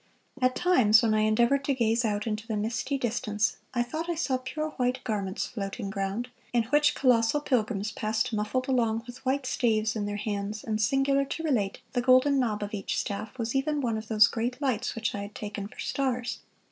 At times, when I endeavored to gaze out into the misty distance, I thought I saw pure white garments floating ground, in which colossal pilgrims passed muffled along with white staves in their hands, and singular to relate, the golden knob of each staff was even one of those great lights which I had taken for stars.